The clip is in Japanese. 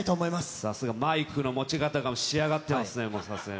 さすが、マイクの持ち方が仕上がってますね、さすがに。